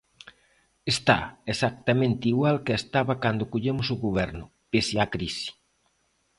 Está exactamente igual que estaba cando collemos o Goberno, pese á crise.